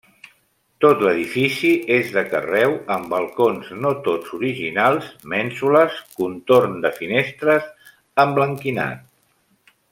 Tot l'edifici és de carreu amb balcons no tots originals, mènsules, contorn de finestres emblanquinat.